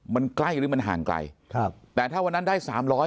มันใกล้หรือมันห่างไกลแต่ถ้าวันนั้นได้๓๗๐